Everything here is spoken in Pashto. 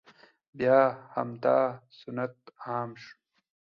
بیا همدا سنت عام شو،